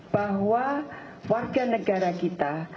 bahwa warga negara kita